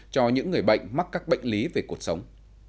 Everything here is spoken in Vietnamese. cho những người bệnh mắc các bệnh lý về cuộc sống